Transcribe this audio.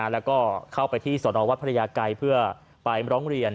แล้วก็เข้าไปที่สนวัดพระยาไกรเพื่อไปร้องเรียน